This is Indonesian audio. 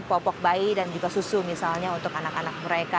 popok bayi dan juga susu misalnya untuk anak anak mereka